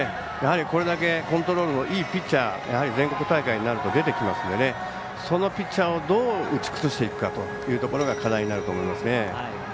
コントロールのいいピッチャー、全国大会になると出てきますのでそのピッチャーをどう打ち崩していくかというところが課題になると思いますね。